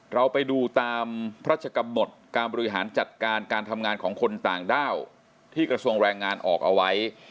เราไปดูตามพระราชกำหนดการบริหารจัดการการทำงานของคนต่างด้าวที่กระทรวงแรงงานออกเอาไว้